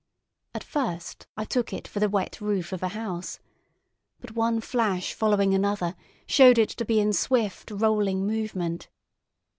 At first I took it for the wet roof of a house, but one flash following another showed it to be in swift rolling movement.